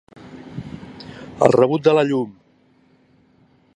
El rebut de la llum.